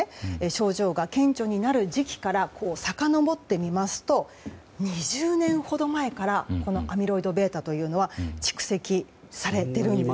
症状が顕著になる時期からさかのぼってみますと２０年ほど前からアミロイドβというのは蓄積されています。